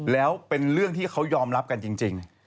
แล้วเป็นเรื่องที่เขายอมรับกันจริง